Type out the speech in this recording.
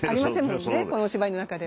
この芝居の中では。